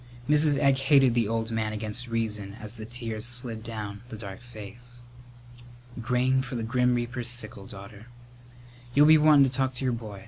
Mrs. Egg hated the old man against reason as the tears slid down the dark face. "Grain for the grim reaper's sickle, daughter. You'll be wantin' to talk to your boy.